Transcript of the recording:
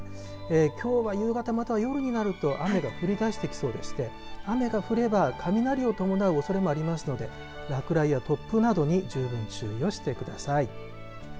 きょうは夕方、または夜になると雨が降りだしてきそうでして雨が降れば雷を伴うおそれもありますので落雷や突風などに十分注意をしてください。